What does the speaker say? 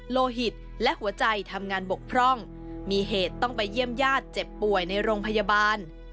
โลหิตและหัวใจทำงานบกพร่องมีเหตุต้องไปเยี่ยมญาติเจ็บป่วยในโรงพยาบาล